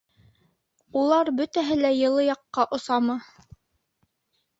— Улар бөтәһе лә йылы яҡҡа осамы?